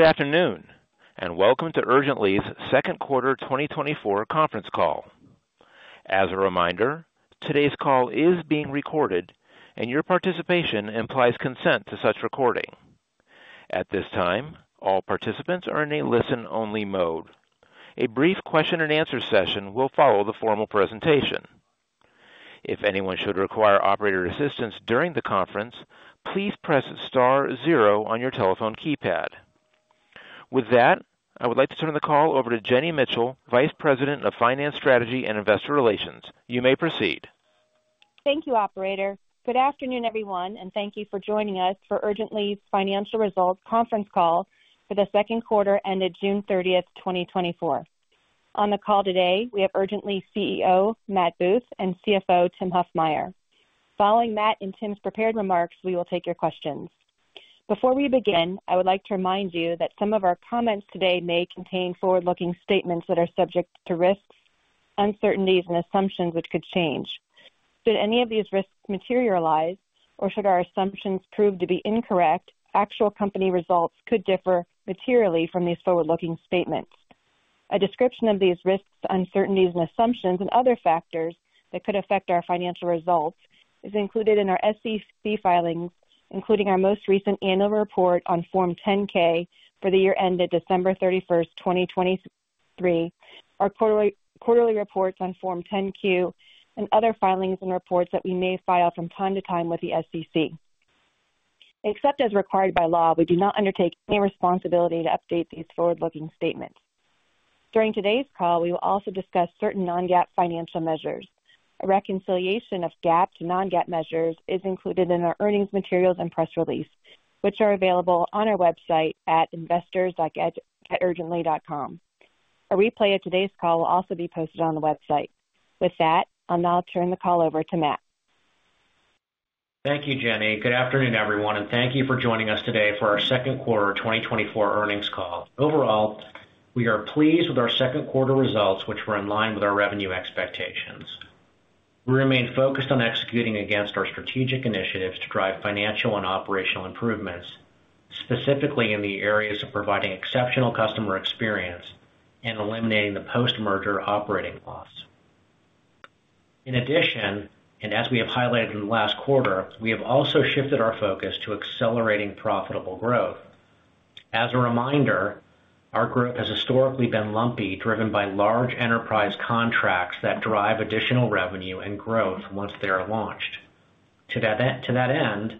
Good afternoon, and welcome to Urgently's Second Quarter 2024 Conference Call. As a reminder, today's call is being recorded and your participation implies consent to such recording. At this time, all participants are in a listen-only mode. A brief question and answer session will follow the formal presentation. If anyone should require operator assistance during the conference, please press star zero on your telephone keypad. With that, I would like to turn the call over to Jenny Mitchell, Vice President of Finance, Strategy, and Investor Relations. You may proceed. Thank you, operator. Good afternoon, everyone, and thank you for joining us for Urgently's Financial Results Conference Call for the second quarter ended June 30, 2024. On the call today, we have Urgently CEO, Matt Booth, and CFO, Tim Huffmyer. Following Matt and Tim's prepared remarks, we will take your questions. Before we begin, I would like to remind you that some of our comments today may contain forward-looking statements that are subject to risks, uncertainties, and assumptions which could change. Should any of these risks materialize or should our assumptions prove to be incorrect, actual company results could differ materially from these forward-looking statements. A description of these risks, uncertainties, and assumptions and other factors that could affect our financial results is included in our SEC filings, including our most recent annual report on Form 10-K for the year ended December 31, 2023, our quarterly reports on Form 10-Q, and other filings and reports that we may file from time to time with the SEC. Except as required by law, we do not undertake any responsibility to update these forward-looking statements. During today's call, we will also discuss certain non-GAAP financial measures. A reconciliation of GAAP to non-GAAP measures is included in our earnings materials and press release, which are available on our website at investors.urgently.com. A replay of today's call will also be posted on the website. With that, I'll now turn the call over to Matt. Thank you, Jenny. Good afternoon, everyone, and thank you for joining us today for our Second Quarter 2024 Earnings Call. Overall, we are pleased with our second quarter results, which were in line with our revenue expectations. We remain focused on executing against our strategic initiatives to drive financial and operational improvements, specifically in the areas of providing exceptional customer experience and eliminating the post-merger operating loss. In addition, and as we have highlighted in the last quarter, we have also shifted our focus to accelerating profitable growth. As a reminder, our growth has historically been lumpy, driven by large enterprise contracts that drive additional revenue and growth once they are launched. To that end,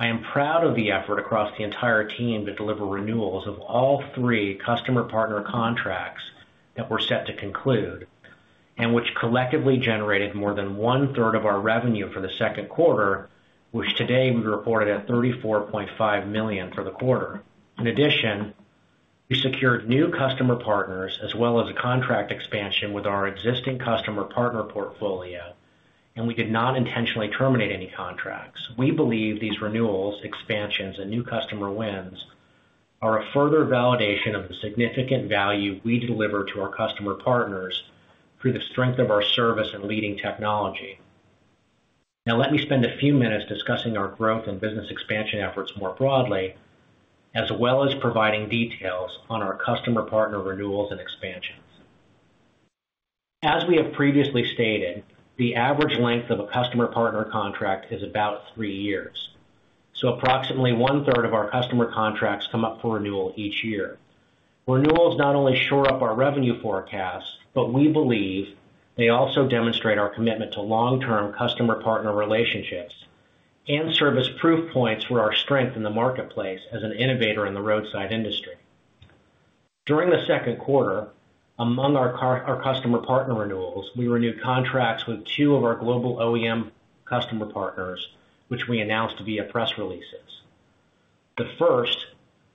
I am proud of the effort across the entire team to deliver renewals of all three customer partner contracts that were set to conclude and which collectively generated more than 1/3 of our revenue for the second quarter, which today we reported at $34.5 million for the quarter. In addition, we secured new customer partners as well as a contract expansion with our existing customer partner portfolio, and we did not intentionally terminate any contracts. We believe these renewals, expansions and new customer wins are a further validation of the significant value we deliver to our customer partners through the strength of our service and leading technology. Now, let me spend a few minutes discussing our growth and business expansion efforts more broadly, as well as providing details on our customer partner renewals and expansions. As we have previously stated, the average length of a customer partner contract is about three years. So approximately 1/3 of our customer contracts come up for renewal each year. Renewals not only shore up our revenue forecasts, but we believe they also demonstrate our commitment to long-term customer-partner relationships and serve as proof points for our strength in the marketplace as an innovator in the roadside industry. During the second quarter, among our customer partner renewals, we renewed contracts with two of our global OEM customer partners, which we announced via press releases. The first,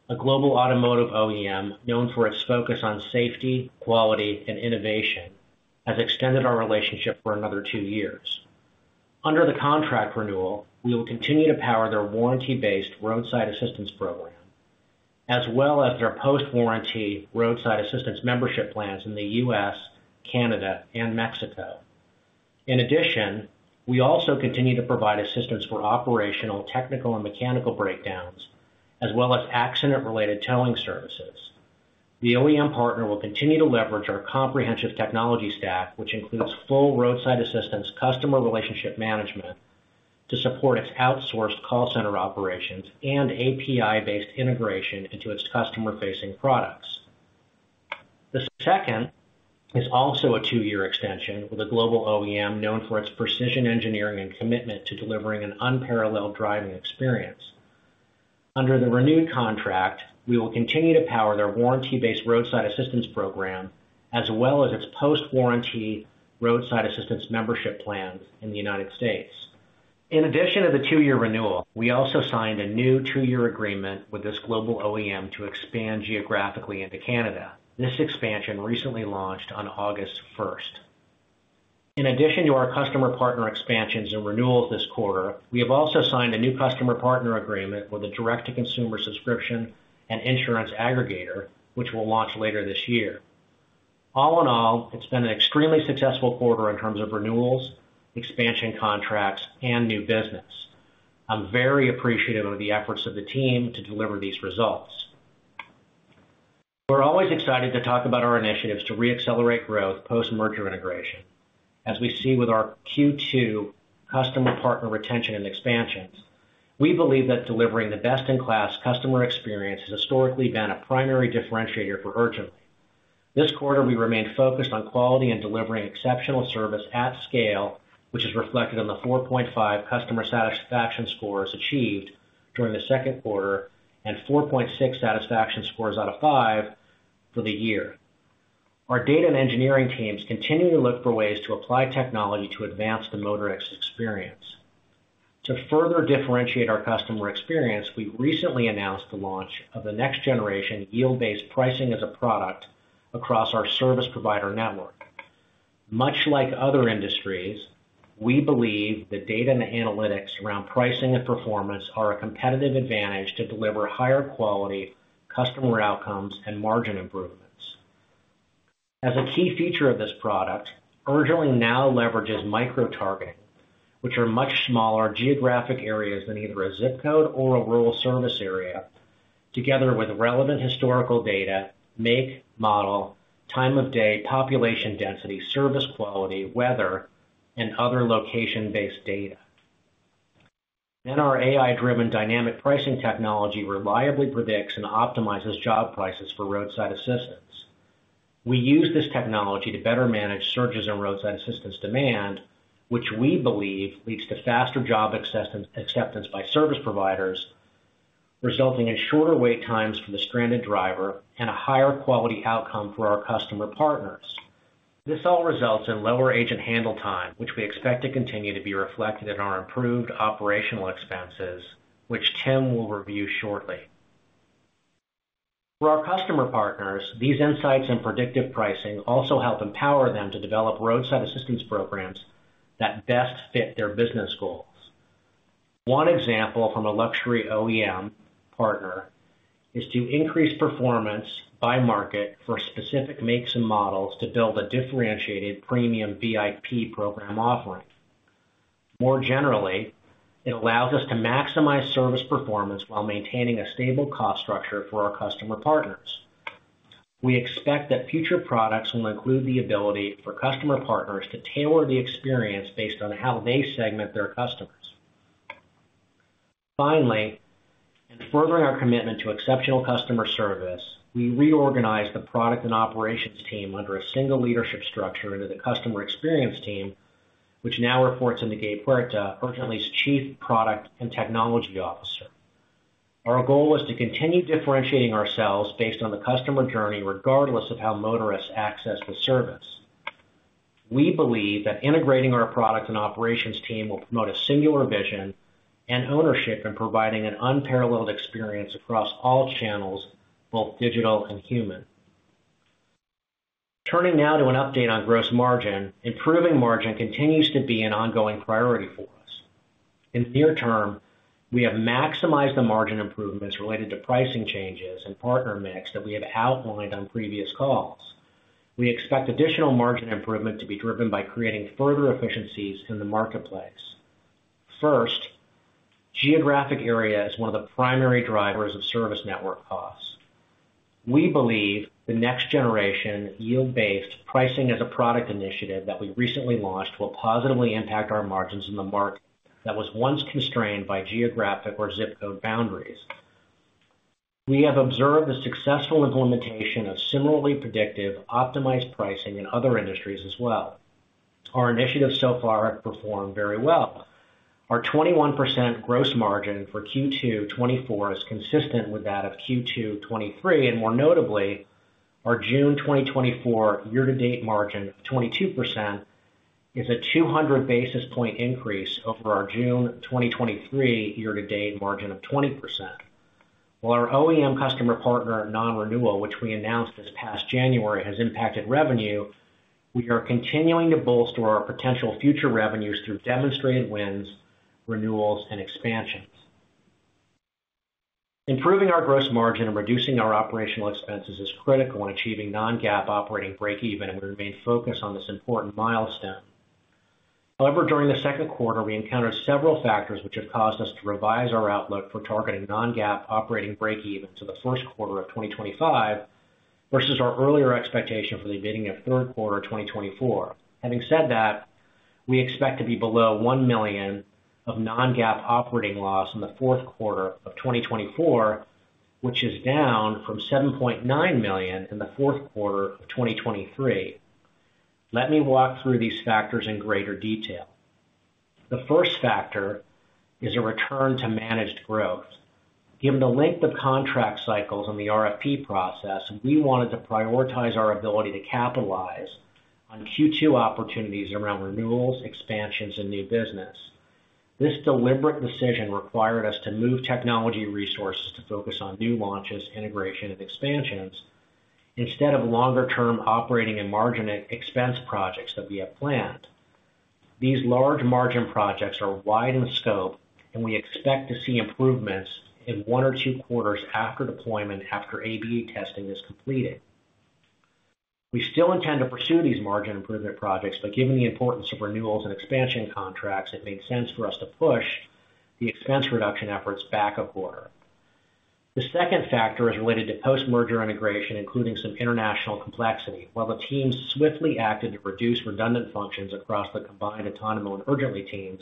a global automotive OEM, known for its focus on safety, quality, and innovation, has extended our relationship for another two years. Under the contract renewal, we will continue to power their warranty-based roadside assistance program, as well as their post-warranty roadside assistance membership plans in the U.S., Canada, and Mexico. In addition, we also continue to provide assistance for operational, technical, and mechanical breakdowns, as well as accident-related towing services. The OEM partner will continue to leverage our comprehensive technology stack, which includes full roadside assistance, customer relationship management, to support its outsourced call center operations and API-based integration into its customer-facing products. The second is also a two-year extension with a global OEM, known for its precision engineering and commitment to delivering an unparalleled driving experience. Under the renewed contract, we will continue to power their warranty-based roadside assistance program, as well as its post-warranty roadside assistance membership plans in the United States. In addition to the two-year renewal, we also signed a new two-year agreement with this global OEM to expand geographically into Canada. This expansion recently launched on August first. In addition to our customer partner expansions and renewals this quarter, we have also signed a new customer partner agreement with a direct-to-consumer subscription and insurance aggregator, which will launch later this year. All in all, it's been an extremely successful quarter in terms of renewals, expansion contracts, and new business. I'm very appreciative of the efforts of the team to deliver these results. We're always excited to talk about our initiatives to reaccelerate growth post-merger integration, as we see with our Q2 customer partner retention and expansions. We believe that delivering the best-in-class customer experience has historically been a primary differentiator for Urgently. This quarter, we remained focused on quality and delivering exceptional service at scale, which is reflected on the 4.5 customer satisfaction scores achieved during the second quarter, and 4.6 satisfaction scores out of 5 for the year. Our data and engineering teams continue to look for ways to apply technology to advance the motorist experience. To further differentiate our customer experience, we recently announced the launch of the next generation yield-based pricing as a product across our service provider network. Much like other industries, we believe that data and analytics around pricing and performance are a competitive advantage to deliver higher quality customer outcomes and margin improvements. As a key feature of this product, Urgently now leverages micro-targeting, which are much smaller geographic areas than either a ZIP code or a rural service area, together with relevant historical data, make, model, time of day, population density, service quality, weather, and other location-based data. Then our AI-driven dynamic pricing technology reliably predicts and optimizes job prices for roadside assistance. We use this technology to better manage surges in roadside assistance demand, which we believe leads to faster job acceptance by service providers, resulting in shorter wait times for the stranded driver and a higher quality outcome for our customer partners. This all results in lower agent handle time, which we expect to continue to be reflected in our improved operational expenses, which Tim will review shortly. For our customer partners, these insights and predictive pricing also help empower them to develop roadside assistance programs that best fit their business goals. One example from a luxury OEM partner is to increase performance by market for specific makes and models to build a differentiated premium VIP program offering. More generally, it allows us to maximize service performance while maintaining a stable cost structure for our customer partners. We expect that future products will include the ability for customer partners to tailor the experience based on how they segment their customers. Finally, in furthering our commitment to exceptional customer service, we reorganized the product and operations team under a single leadership structure into the customer experience team, which now reports into Gabriel Huerta, Urgently's Chief Product and Technology Officer. Our goal is to continue differentiating ourselves based on the customer journey, regardless of how motorists access the service. We believe that integrating our product and operations team will promote a singular vision and ownership in providing an unparalleled experience across all channels, both digital and human. Turning now to an update on gross margin. Improving margin continues to be an ongoing priority for us. In the near term, we have maximized the margin improvements related to pricing changes and partner mix that we have outlined on previous calls. We expect additional margin improvement to be driven by creating further efficiencies in the marketplace. First, geographic area is one of the primary drivers of service network costs. We believe the next generation, Yield-Based Pricing as a product initiative that we recently launched, will positively impact our margins in the market that was once constrained by geographic or zip code boundaries. We have observed the successful implementation of similarly predictive, optimized pricing in other industries as well. Our initiatives so far have performed very well. Our 21% gross margin for Q2 2024 is consistent with that of Q2 2023, and more notably, our June 2024 year-to-date margin of 22% is a 200 basis point increase over our June 2023 year-to-date margin of 20%. While our OEM customer partner non-renewal, which we announced this past January, has impacted revenue, we are continuing to bolster our potential future revenues through demonstrated wins, renewals, and expansions. Improving our gross margin and reducing our operational expenses is critical in achieving non-GAAP operating breakeven, and we remain focused on this important milestone. However, during the second quarter, we encountered several factors which have caused us to revise our outlook for targeting non-GAAP operating breakeven to the first quarter of 2025, versus our earlier expectation for the beginning of third quarter 2024. Having said that, we expect to be below $1 million of non-GAAP operating loss in the fourth quarter of 2024, which is down from $7.9 million in the fourth quarter of 2023. Let me walk through these factors in greater detail. The first factor is a return to managed growth. Given the length of contract cycles and the RFP process, we wanted to prioritize our ability to capitalize on Q2 opportunities around renewals, expansions, and new business. This deliberate decision required us to move technology resources to focus on new launches, integration, and expansions instead of longer-term operating and margin expense projects that we have planned. These large margin projects are wide in scope, and we expect to see improvements in one or two quarters after deployment, after A/B testing is completed. We still intend to pursue these margin improvement projects, but given the importance of renewals and expansion contracts, it made sense for us to push the expense reduction efforts back a quarter. The second factor is related to post-merger integration, including some international complexity. While the team swiftly acted to reduce redundant functions across the combined Otonomo and Urgently teams,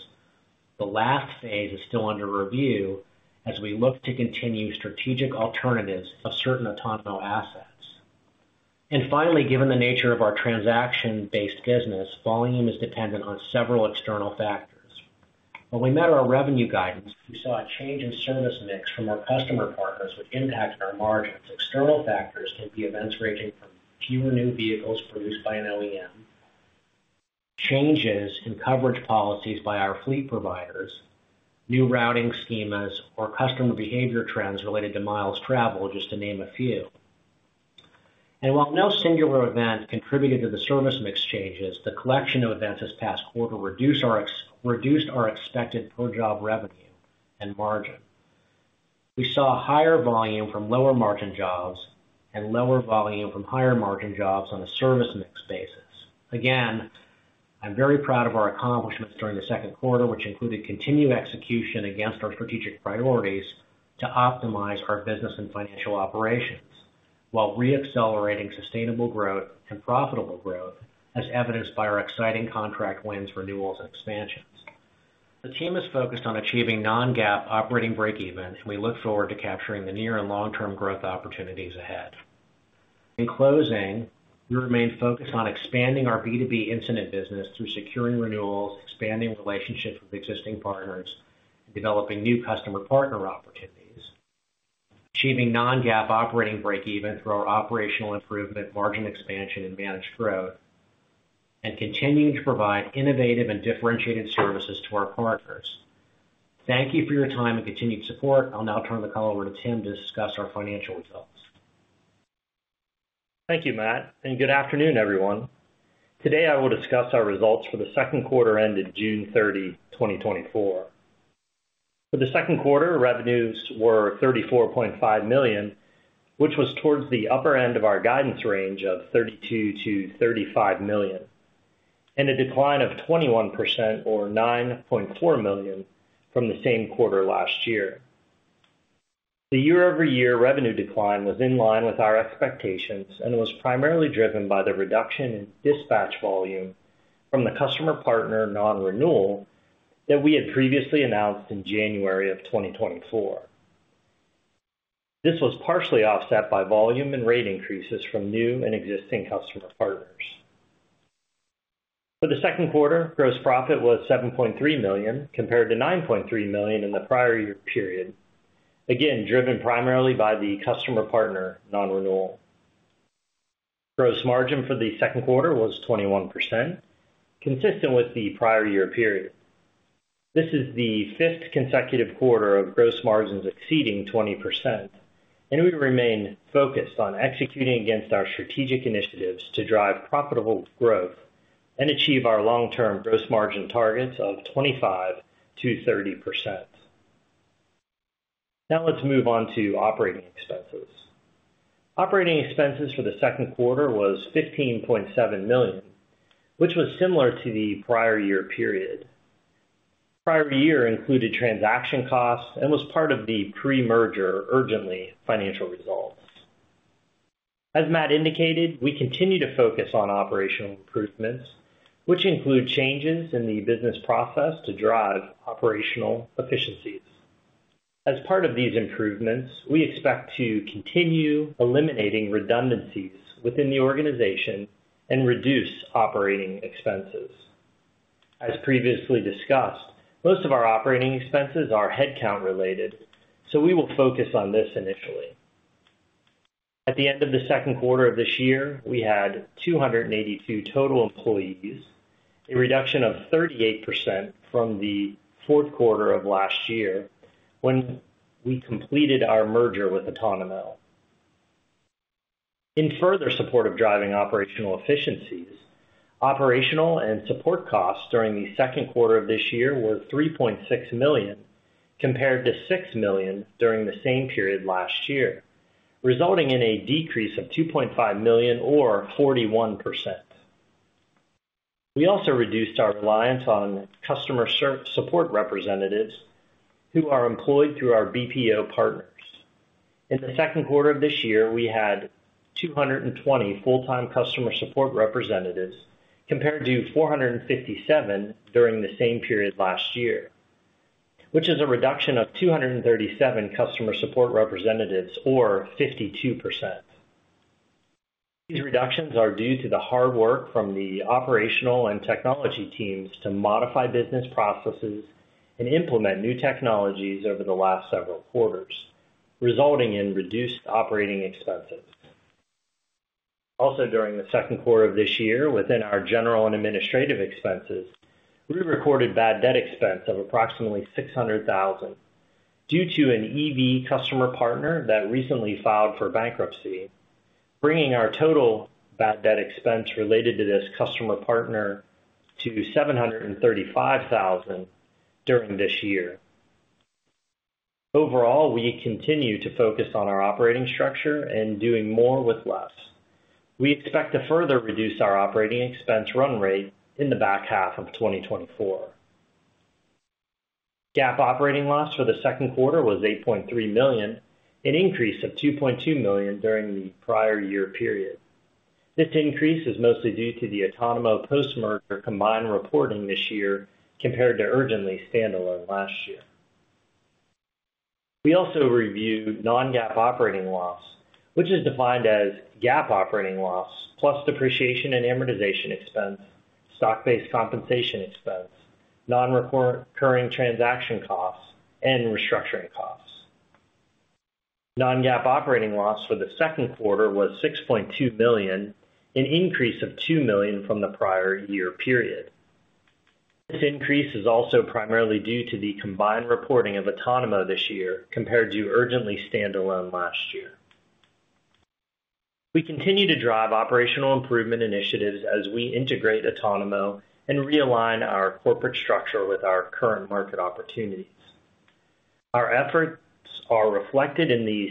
the last phase is still under review as we look to continue strategic alternatives of certain Otonomo assets. And finally, given the nature of our transaction-based business, volume is dependent on several external factors. While we met our revenue guidance, we saw a change in service mix from our customer partners, which impacted our margins. External factors can be events ranging from fewer new vehicles produced by an OEM, changes in coverage policies by our fleet providers, new routing schemas, or customer behavior trends related to miles traveled, just to name a few. While no singular event contributed to the service mix changes, the collection of events this past quarter reduced our expected per-job revenue and margin. We saw higher volume from lower margin jobs and lower volume from higher margin jobs on a service mix basis. Again, I'm very proud of our accomplishments during the second quarter, which included continued execution against our strategic priorities to optimize our business and financial operations, while reaccelerating sustainable growth and profitable growth, as evidenced by our exciting contract wins, renewals, and expansions. The team is focused on achieving non-GAAP operating breakeven, and we look forward to capturing the near and long-term growth opportunities ahead. In closing, we remain focused on expanding our B2B incident business through securing renewals, expanding relationships with existing partners, and developing new customer partner opportunities, achieving non-GAAP operating breakeven through our operational improvement, margin expansion, and managed growth, and continuing to provide innovative and differentiated services to our partners. Thank you for your time and continued support. I'll now turn the call over to Tim to discuss our financial results. Thank you, Matt, and good afternoon, everyone. Today, I will discuss our results for the second quarter ended June 30, 2024. For the second quarter, revenues were $34.5 million, which was towards the upper end of our guidance range of $32 million-$35 million, and a decline of 21% or $9.4 million from the same quarter last year. The year-over-year revenue decline was in line with our expectations and was primarily driven by the reduction in dispatch volume from the customer partner non-renewal that we had previously announced in January 2024. This was partially offset by volume and rate increases from new and existing customer partners. For the second quarter, gross profit was $7.3 million, compared to $9.3 million in the prior year period, again, driven primarily by the customer partner non-renewal. Gross margin for the second quarter was 21%, consistent with the prior year period. This is the fifth consecutive quarter of gross margins exceeding 20%, and we remain focused on executing against our strategic initiatives to drive profitable growth and achieve our long-term gross margin targets of 25%-30%. Now let's move on to operating expenses. Operating expenses for the second quarter was $15.7 million, which was similar to the prior year period. Prior year included transaction costs and was part of the pre-merger Urgently financial results. As Matt indicated, we continue to focus on operational improvements, which include changes in the business process to drive operational efficiencies. As part of these improvements, we expect to continue eliminating redundancies within the organization and reduce operating expenses. As previously discussed, most of our operating expenses are headcount related, so we will focus on this initially. At the end of the second quarter of this year, we had 282 total employees, a reduction of 38% from the fourth quarter of last year, when we completed our merger with Otonomo. In further support of driving operational efficiencies, operational and support costs during the second quarter of this year were $3.6 million, compared to $6 million during the same period last year, resulting in a decrease of $2.5 million or 41%. We also reduced our reliance on customer support representatives who are employed through our BPO partners. In the second quarter of this year, we had 220 full-time customer support representatives, compared to 457 during the same period last year, which is a reduction of 237 customer support representatives or 52%. These reductions are due to the hard work from the operational and technology teams to modify business processes and implement new technologies over the last several quarters, resulting in reduced operating expenses. Also, during the second quarter of this year, within our general and administrative expenses, we recorded bad debt expense of approximately $600,000 due to an EV customer partner that recently filed for bankruptcy, bringing our total bad debt expense related to this customer partner to $735,000 during this year. Overall, we continue to focus on our operating structure and doing more with less. We expect to further reduce our operating expense run rate in the back half of 2024. GAAP operating loss for the second quarter was $8.3 million, an increase of $2.2 million during the prior year period. This increase is mostly due to the Otonomo post-merger combined reporting this year, compared to Urgently standalone last year. We also reviewed non-GAAP operating loss, which is defined as GAAP operating loss, plus depreciation and amortization expense, stock-based compensation expense, non-recurring transaction costs, and restructuring costs. Non-GAAP operating loss for the second quarter was $6.2 million, an increase of $2 million from the prior year period. This increase is also primarily due to the combined reporting of Otonomo this year, compared to Urgently standalone last year. We continue to drive operational improvement initiatives as we integrate Otonomo and realign our corporate structure with our current market opportunities. Our efforts are reflected in the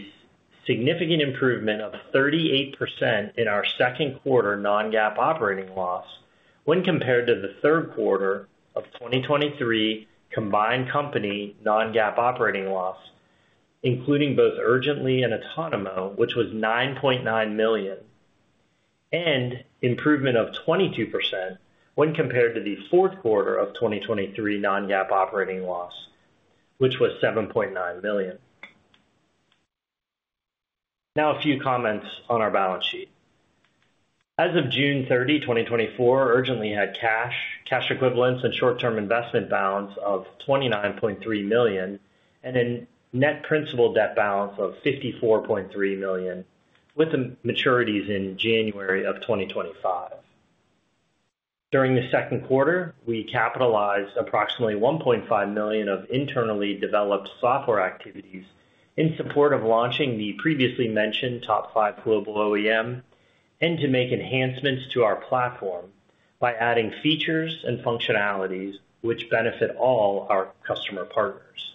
significant improvement of 38% in our second quarter non-GAAP operating loss, when compared to the third quarter of 2023 combined company non-GAAP operating loss, including both Urgently and Otonomo, which was $9.9 million, and improvement of 22% when compared to the fourth quarter of 2023 non-GAAP operating loss, which was $7.9 million. Now, a few comments on our balance sheet. As of June 30, 2024, Urgently had cash, cash equivalents, and short-term investment balance of $29.3 million, and a net principal debt balance of $54.3 million, with the maturities in January of 2025. During the second quarter, we capitalized approximately $1.5 million of internally developed software activities in support of launching the previously mentioned top five global OEM and to make enhancements to our platform by adding features and functionalities which benefit all our customer partners.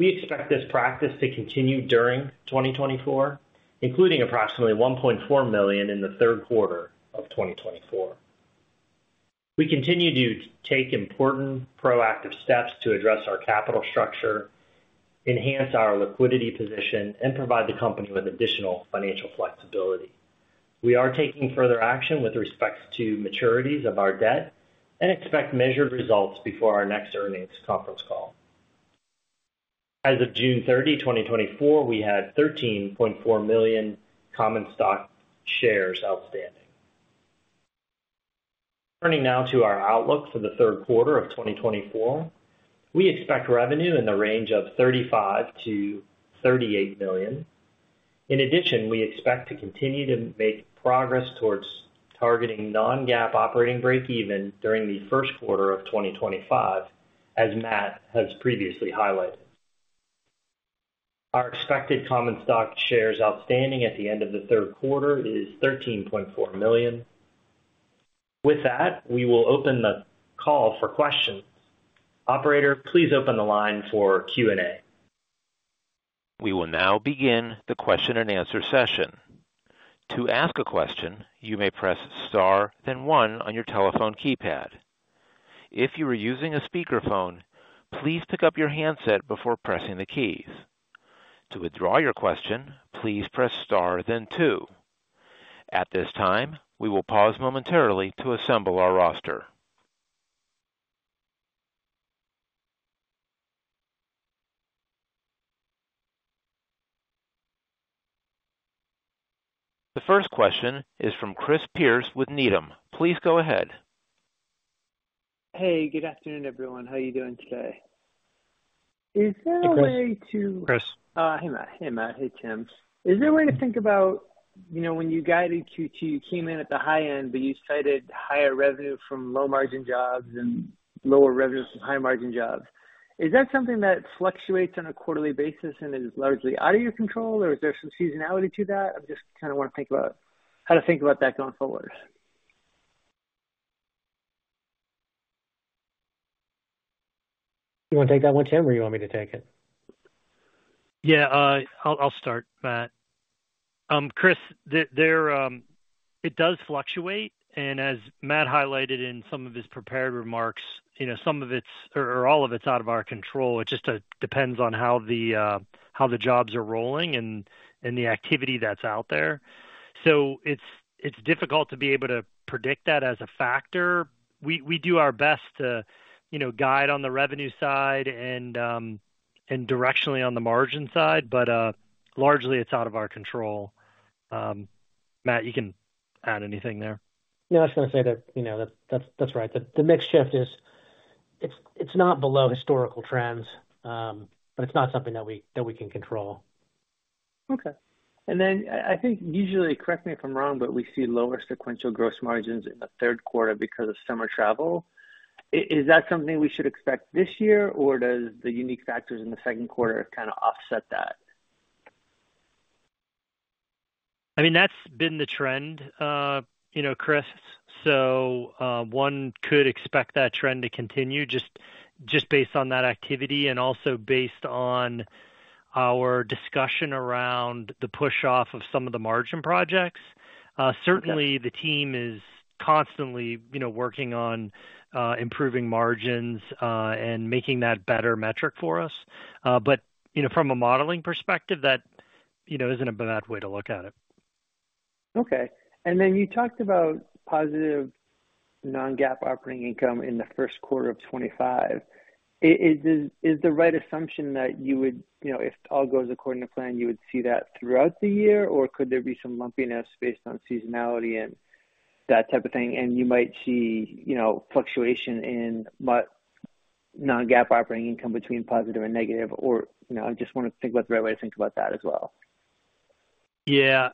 We expect this practice to continue during 2024, including approximately $1.4 million in the third quarter of 2024. We continue to take important proactive steps to address our capital structure, enhance our liquidity position, and provide the company with additional financial flexibility. We are taking further action with respect to maturities of our debt and expect measured results before our next earnings conference call. As of June 30, 2024, we had 13.4 million common stock shares outstanding. Turning now to our outlook for the third quarter of 2024. We expect revenue in the range of $35 million-$38 million. In addition, we expect to continue to make progress towards targeting non-GAAP operating breakeven during the first quarter of 2025, as Matt has previously highlighted. Our expected common stock shares outstanding at the end of the third quarter is 13.4 million. With that, we will open the call for questions. Operator, please open the line for Q&A. We will now begin the question-and-answer session. To ask a question, you may press star, then one on your telephone keypad. If you are using a speakerphone, please pick up your handset before pressing the keys. To withdraw your question, please press star then two. At this time, we will pause momentarily to assemble our roster. The first question is from Chris Pierce with Needham. Please go ahead. Hey, good afternoon, everyone. How are you doing today? Is there a way to. Hey Chris. Hey, Matt. Hey, Matt. Hey, Tim. Is there a way to think about, you know, when you guided Q2, you came in at the high end, but you cited higher revenue from low margin jobs and lower revenues from high margin jobs. Is that something that fluctuates on a quarterly basis and is largely out of your control, or is there some seasonality to that? I just kind of want to think about how to think about that going forward. You want to take that one, Tim, or you want me to take it? Yeah, I'll start, Matt. Chris, it does fluctuate, and as Matt highlighted in some of his prepared remarks, you know, some of it's, or all of it's out of our control. It just depends on how the jobs are rolling and the activity that's out there. So it's difficult to be able to predict that as a factor. We do our best to, you know, guide on the revenue side and directionally on the margin side, but largely it's out of our control. Matt, you can add anything there. No, I was gonna say that, you know, that's, that's right. The, the mix shift is it's, it's not below historical trends, but it's not something that we, that we can control. Okay. And then I, I think usually, correct me if I'm wrong, but we see lower sequential gross margins in the third quarter because of summer travel. Is that something we should expect this year, or does the unique factors in the second quarter kind of offset that? I mean, that's been the trend, you know, Chris. So, one could expect that trend to continue just based on that activity and also based on our discussion around the push-off of some of the margin projects. Certainly the team is constantly, you know, working on improving margins, and making that better metric for us. But, you know, from a modeling perspective, that, you know, isn't a bad way to look at it. Okay. And then you talked about positive non-GAAP operating income in the first quarter of 2025. Is the right assumption that you would, you know, if all goes according to plan, you would see that throughout the year? Or could there be some lumpiness based on seasonality and that type of thing, and you might see, you know, fluctuation in non-GAAP operating income between positive and negative, or, you know, I just want to think what the right way to think about that as well. Yeah.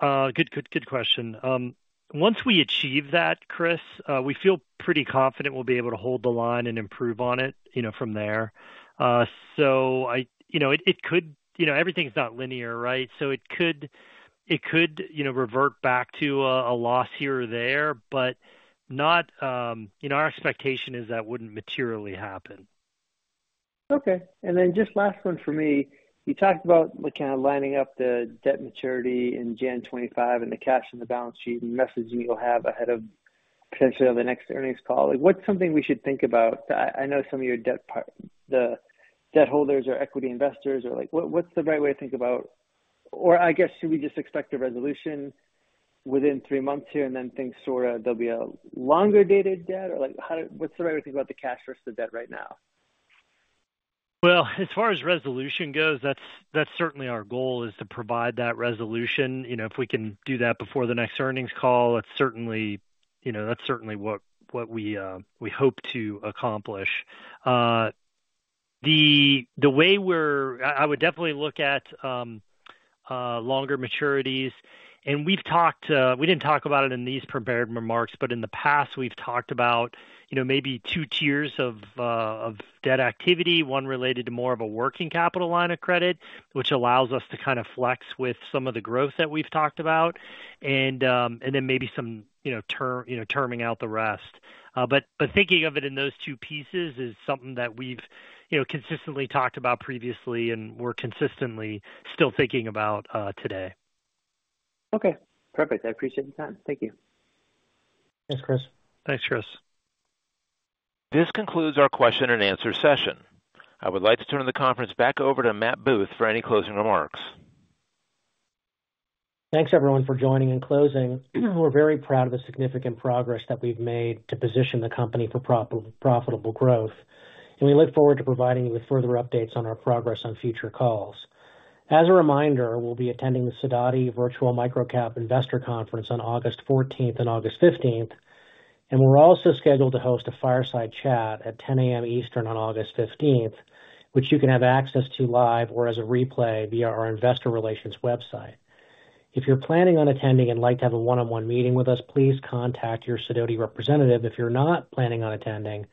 Good, good, good question. Once we achieve that, Chris, we feel pretty confident we'll be able to hold the line and improve on it, you know, from there. So, you know, it, it could, you know, everything's not linear, right? So it could, it could, you know, revert back to a, a loss here or there, but not, you know, our expectation is that wouldn't materially happen. Okay. And then just last one for me. You talked about kind of lining up the debt maturity in January 2025 and the cash on the balance sheet and messaging you'll have ahead of potentially on the next earnings call. Like, what's something we should think about? I, I know some of your debt part, the debt holders or equity investors are like, "What, what's the right way to think about" Or I guess, should we just expect a resolution within three months here and then think sort of there'll be a longer-dated debt? Or, like, how, what's the right way to think about the cash versus the debt right now? Well, as far as resolution goes, that's, that's certainly our goal, is to provide that resolution. You know, if we can do that before the next earnings call, that's certainly, you know, that's certainly what, what we, we hope to accomplish. The way we're, I would definitely look at longer maturities, and we've talked, we didn't talk about it in these prepared remarks, but in the past, we've talked about, you know, maybe two tiers of debt activity, one related to more of a working capital line of credit, which allows us to kind of flex with some of the growth that we've talked about, and, and then maybe some, you know, term, you know, terming out the rest. But thinking of it in those two pieces is something that we've, you know, consistently talked about previously, and we're consistently still thinking about today. Okay, perfect. I appreciate the time. Thank you. Thanks, Chris. Thanks, Chris. This concludes our question and answer session. I would like to turn the conference back over to Matt Booth for any closing remarks. Thanks, everyone, for joining and closing. We're very proud of the significant progress that we've made to position the company for profitable growth, and we look forward to providing you with further updates on our progress on future calls. As a reminder, we'll be attending the Sidoti Virtual Microcap Investor Conference on August 14th and August 15th, and we're also scheduled to host a fireside chat at 10 A.M. Eastern on August 15th, which you can have access to live or as a replay via our investor relations website. If you're planning on attending and like to have a one-on-one meeting with us, please contact your Sidoti representative. If you're not planning on attending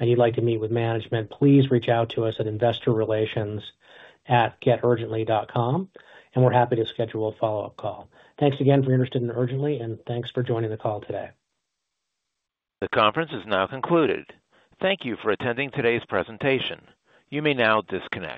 and you'd like to meet with management, please reach out to us at investorrelations@geturgently.com, and we're happy to schedule a follow-up call. Thanks again for your interest in Urgently, and thanks for joining the call today. The conference is now concluded. Thank you for attending today's presentation. You may now disconnect.